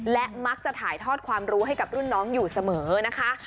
และมักจะถ่ายทอดความรู้ให้กับรุ่นน้องอยู่เสมอนะคะ